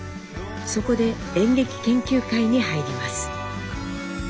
そこで演劇研究会に入ります。